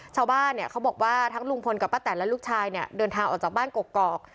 ชาวบ้านเนี่ยเขาบอกว่าทั้งลุงพลกับป้าแตนและลูกชายเนี่ยเดินทางออกจากบ้านกกอก